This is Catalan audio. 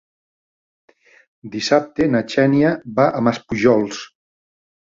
Dissabte na Xènia va a Maspujols.